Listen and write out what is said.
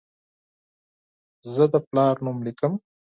زه د پلار نوم لیکم.